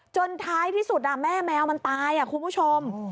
ท้ายที่สุดแม่แมวมันตายคุณผู้ชม